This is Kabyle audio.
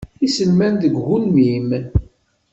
Iselman deg ugelmim.